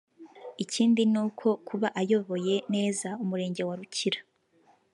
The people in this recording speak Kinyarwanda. Ikindi ni uko kuba ayoboye neza umurenge wa Rukira